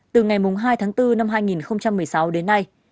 từ ngày hai tháng bốn năm hai nghìn một mươi sáu đến nay